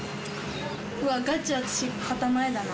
うわガチ私肩前だな。